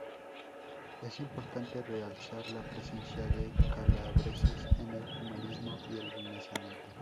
Es importante realzar la presencia de calabreses en el humanismo y el Renacimiento.